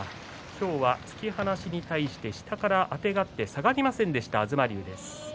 今日は突き放しに対して下からあてがって下がりませんでした東龍です。